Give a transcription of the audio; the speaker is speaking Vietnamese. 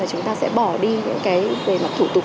chúng ta sẽ bỏ đi những thủ tục